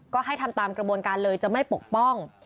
ก็ให้ทำตามกระบวนการเลยจะไม่ปกป้อง